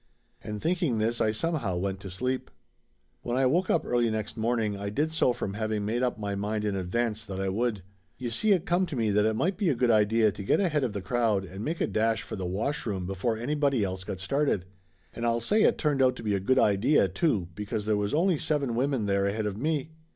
And thinking this I somehow went to sleep. When I woke up early next morning I did so from having made up my mind in advance that I would. You see it come to me that it might be a good idea to get ahead of the crowd and make a dash for the washroom before anybody else got started. And I'll say it turned out to be a good idea, too, because there was only seven women there ahead of me.